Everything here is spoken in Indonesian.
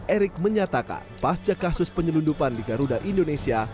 erick menyatakan pasca kasus penyelundupan di garuda indonesia